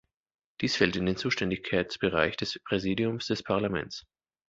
Dies fällt in den Zuständigkeitsbereich des Präsidiums des Parlaments.